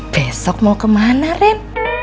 besok mau kemana ren